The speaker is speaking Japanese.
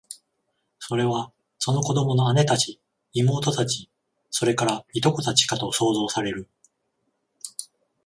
それは、その子供の姉たち、妹たち、それから、従姉妹たちかと想像される